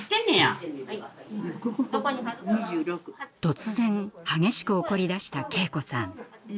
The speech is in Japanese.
突然激しく怒りだした敬子さん。